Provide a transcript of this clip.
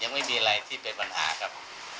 ไม่มีอะไรที่เป็นปัญหาครับ